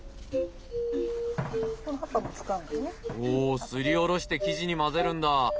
おおすりおろして生地に混ぜるんだ。